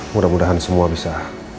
mudah mudahan semua bisa